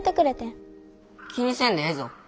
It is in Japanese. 気にせんでええぞ。